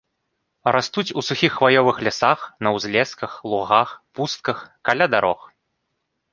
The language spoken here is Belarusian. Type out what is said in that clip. Растуць у сухіх хваёвых лясах, на ўзлесках, лугах, пустках, каля дарог.